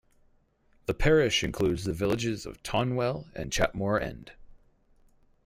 The parish includes the villages of Tonwell and Chapmore End.